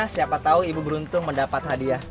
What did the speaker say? siapa tahu ibu beruntung mendapat hadiah